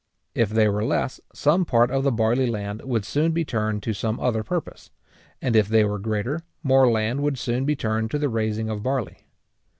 If they were less, some part of the barley land would soon be turned to some other purpose; and if they were greater, more land would soon be turned to the raising of barley.